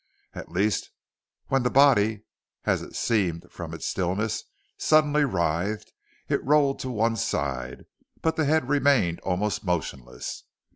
At least, when the body (as it seemed from its stillness) suddenly writhed, it rolled to one side, but the head remained almost motionless.